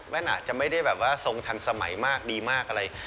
อาจจะไม่ได้แบบว่าทรงทันสมัยมากดีมากอะไร